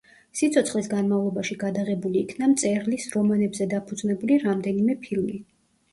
სიცოცხლის განმავლობაში გადაღებული იქნა მწერლის რომანებზე დაფუძნებული რამდენიმე ფილმი.